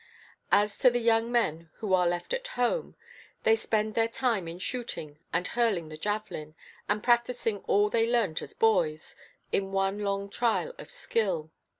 As for the young men who are left at home, they spend their time in shooting and hurling the javelin, and practising all they learnt as boys, in one long trial of skill.